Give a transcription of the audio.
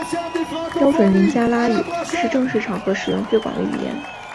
标准林加拉语是正式场合使用最广的语言。